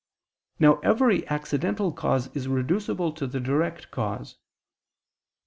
Now every accidental cause is reducible to the direct cause.